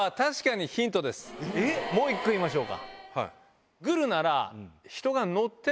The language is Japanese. もう１個言いましょうか。